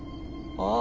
ああ！